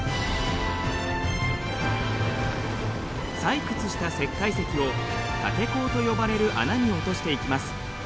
採掘した石灰石を立坑と呼ばれる穴に落としていきます。